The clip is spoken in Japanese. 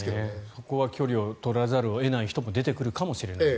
ここは距離を取らざるを得ない人も出てくるかもしれないと。